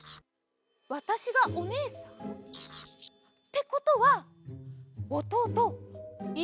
わたしがおねえさん？ってことはおとうとい